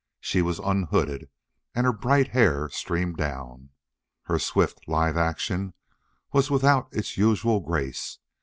She was unhooded and her bright hair streamed down. Her swift, lithe action was without its usual grace.